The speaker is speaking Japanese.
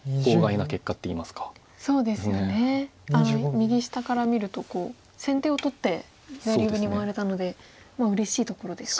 右下から見ると先手を取って左上に回れたのでうれしいところですか。